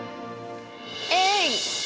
えい！